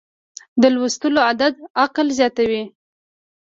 د لوستلو عادت عقل زیاتوي.